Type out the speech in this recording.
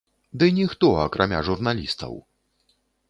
Ды ніхто, акрамя журналістаў!